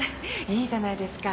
いいじゃないですか。